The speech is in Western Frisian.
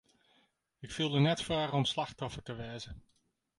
Ik fiel der neat foar om slachtoffer te wêze.